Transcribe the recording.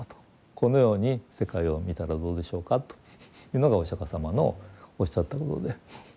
このように世界を見たらどうでしょうかというのがお釈迦様のおっしゃったことで。